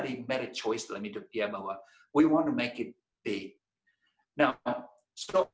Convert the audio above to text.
ada yang memiliki pilihan dalam hidupnya bahwa kita ingin membuatnya besar